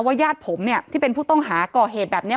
ญาติผมเนี่ยที่เป็นผู้ต้องหาก่อเหตุแบบนี้